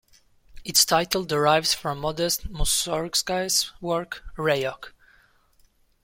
Its title derives from Modest Mussorgsky's work "Rayok".